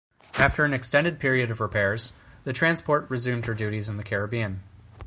After an extended period of repairs, the transport resumed her duties in the Caribbean.